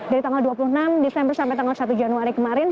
dari tanggal dua puluh enam desember sampai tanggal satu januari kemarin